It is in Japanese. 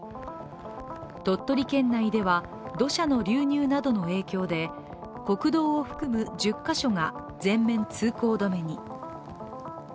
鳥取県内では土砂の流入などの影響で国道を含む１０か所が全面通行止めに。